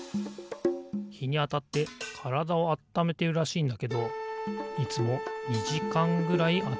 ひにあたってからだをあっためてるらしいんだけどいつも２じかんぐらいあたってんだよな。